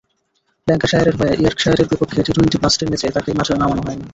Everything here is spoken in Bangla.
ল্যাঙ্কাশায়ারের হয়ে ইয়র্কশায়ারের বিপক্ষে টি-টোয়েন্টি ব্লাস্টের ম্যাচে তাঁকে মাঠে নামানো হয়নি।